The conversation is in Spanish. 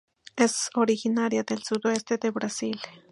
Es originaria del sudeste de Brasil.